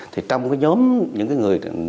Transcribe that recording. trong nhóm những người